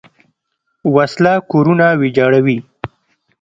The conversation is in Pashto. وسله کورونه ویجاړوي